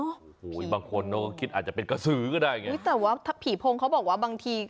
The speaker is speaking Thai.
โอ้โหบางคนเขาก็คิดอาจจะเป็นกระสือก็ได้ไงอุ้ยแต่ว่าถ้าผีพงเขาบอกว่าบางที